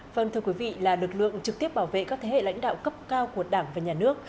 vâng thưa quý vị là lực lượng trực tiếp bảo vệ các thế hệ lãnh đạo cấp cao của đảng và nhà nước